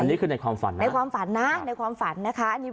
อันนี้คือในความฝันนะในความฝันนะคะ